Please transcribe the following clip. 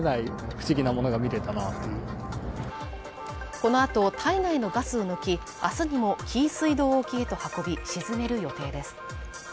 このあと体内のガスを抜き明日にも紀伊水道沖へと運び沈める予定です